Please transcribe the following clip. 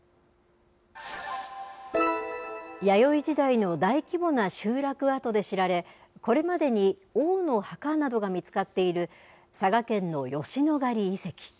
弥生時代の大規模な集落跡で知られ、これまでに王の墓などが見つかっている、佐賀県の吉野ヶ里遺跡。